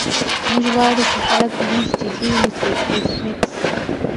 موږ غواړو چې خلک موږ جدي ونیسي ایس میکس